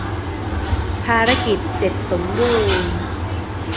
ภารกิจเสร็จสมบูรณ์ !